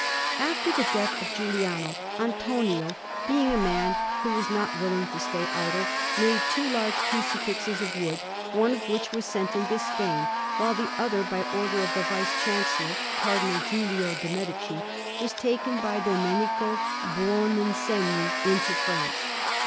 After the death of Giuliano, Antonio, being a man who was not willing to stay idle, made two large Crucifixes of wood, one of which was sent into Spain, while the other, by order of the Vice Chancellor, Cardinal Giulio de' Medici, was taken by Domenico Buoninsegni into France.